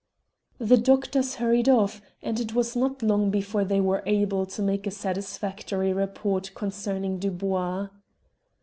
The doctors hurried off, and it was not long before they were able to make a satisfactory report concerning Dubois.